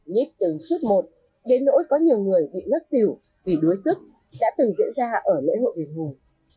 nhít từng chút một đến nỗi có nhiều người bị ngất xìu vì đuối sức đã từng diễn ra ở lễ hội huyền hồn